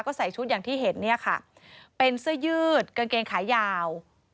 ก็ใส่ชุดอย่างที่เห็นเนี่ยค่ะเป็นเสื้อยืดกางเกงขายาว